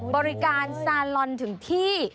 บริการซาลอนถึงที่